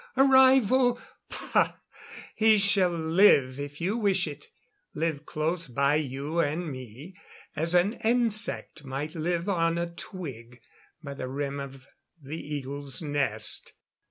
A rival? Pah! He shall live if you wish it live close by you and me as an insect might live on a twig by the rim of the eagle's nest....